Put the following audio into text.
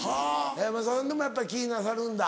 松田さんでもやっぱり気になさるんだ。